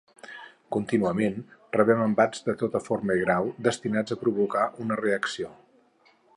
Contínuament rebem embats de tota forma i grau destinats a provocar una reacció.